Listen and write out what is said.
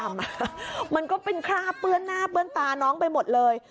มันก็เป็นคราบเปื้อนหน้าเปื้อนตาน้องไปหมดเลย